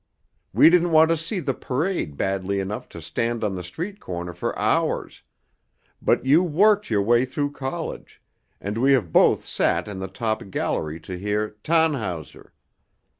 We didn't want to see the parade badly enough to stand on the street corner for hours; but you worked your way through college, and we have both sat in the top gallery to hear 'Tannhäuser.'